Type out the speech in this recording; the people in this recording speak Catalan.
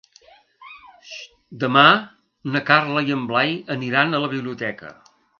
Demà na Carla i en Blai aniran a la biblioteca.